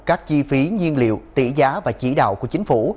các chi phí nhiên liệu tỷ giá và chỉ đạo của chính phủ